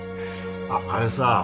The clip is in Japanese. あっあれさ